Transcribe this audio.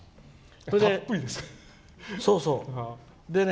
たっぷりですからね。